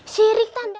si rik tanda